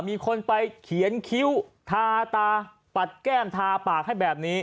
มีคนไปเขียนคิ้วทาตาปัดแก้มทาปากให้แบบนี้